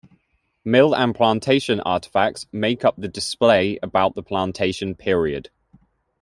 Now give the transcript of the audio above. Mill and plantation artifacts make up the display about the Plantation Period.